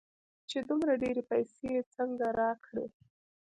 چې دومره ډېرې پيسې يې څنگه راکړې.